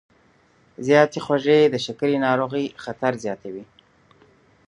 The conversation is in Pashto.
زیاتې خوږې د شکرې ناروغۍ خطر زیاتوي.